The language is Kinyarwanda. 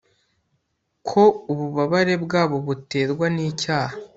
ko ububabare bwabo buterwa nicyaha